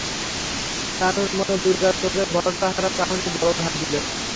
রানুর মনে দুর্গার চোখের ভরসা-হারা চাহনি বড় ঘা দিল।